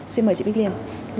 xin mời chị bích liên